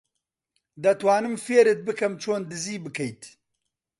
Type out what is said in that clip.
دەتوانم فێرت بکەم چۆن دزی بکەیت.